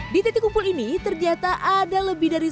di titik kumpul ini ternyata ada lebih dari